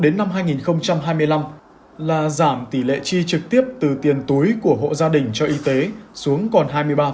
đến năm hai nghìn hai mươi năm là giảm tỷ lệ chi trực tiếp từ tiền túi của hộ gia đình cho y tế xuống còn hai mươi ba